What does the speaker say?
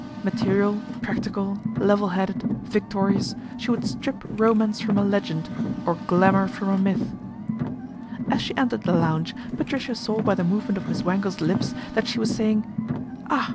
Material, practical, level headed, victorious, she would strip romance from a legend, or glamour from a myth. As she entered the lounge, Patricia saw by the movement of Miss Wangle's lips that she was say ing " Ah !